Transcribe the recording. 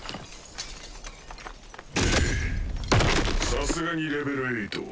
さすがにレベル８。